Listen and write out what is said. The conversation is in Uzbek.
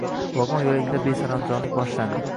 Vagon yo`lagida besaranjomlik boshlandi